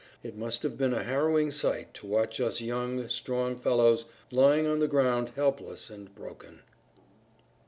It must have been a harrowing sight to watch us young, strong fellows lying on the ground helpless and broken.